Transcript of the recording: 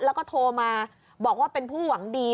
แล้วก็โทรมาบอกว่าเป็นผู้หวังดี